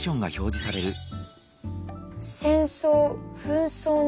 「戦争・紛争の原因」。